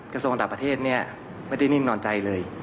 กระทรวงการต่างประเทศไม่ได้นิ่งนอนใจเลย